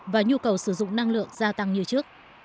và nhu cầu sử dụng năng lượng gia tăng như trước